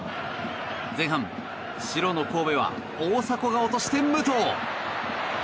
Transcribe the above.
前半、白の神戸は大迫が落として武藤！